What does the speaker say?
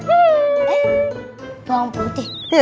eh bawang putih